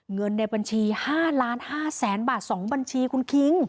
เงินในบัญชี๕๕๐๐๐๐บาท๒บัญชีคุณคิง